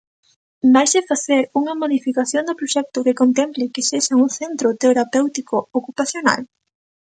¿Vaise facer unha modificación do proxecto que contemple que sexa un centro terapéutico ocupacional?